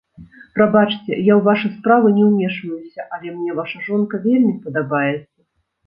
Прабачайце, я ў вашы справы не ўмешваюся, але мне ваша жонка вельмі падабаецца.